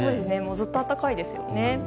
ずっと暖かいですよね。